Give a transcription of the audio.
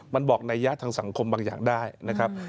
มันบอกนัยยะทางสังคมบางอย่างได้นะครับ